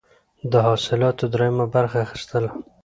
د حاصلاتو دریمه برخه اخیستله.